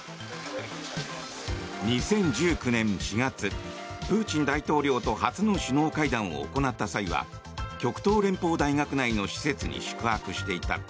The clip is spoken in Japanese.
２０１９年４月プーチン大統領と初の首脳会談を行った際は極東連邦大学内の施設に宿泊していた。